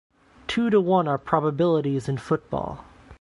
Two to one are probabilities in football.